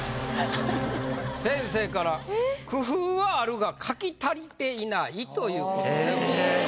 先生から「工夫はあるが書き足りていない」という事でございます。